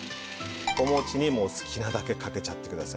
おもちにもう好きなだけかけちゃってください。